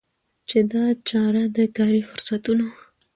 چي دا چاره د کاري فرصتونو